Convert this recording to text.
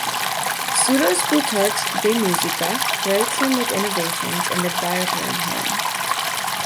Pseudo-Plutarch's "De Musica" credits him with innovations in the dithyramb hymn.